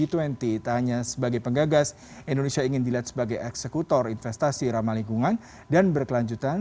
tak hanya sebagai penggagas indonesia ingin dilihat sebagai eksekutor investasi ramah lingkungan dan berkelanjutan